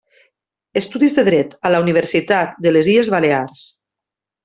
Estudis de dret a la Universitat de les Illes Balears.